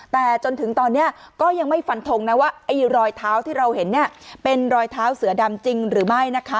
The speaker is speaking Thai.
แต่จนถึงตอนนี้ก็ยังไม่ฟันทงนะว่าไอ้รอยเท้าที่เราเห็นเนี่ยเป็นรอยเท้าเสือดำจริงหรือไม่นะคะ